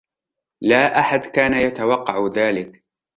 لا أحد كان يتوقع ذلك.